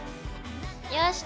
よし！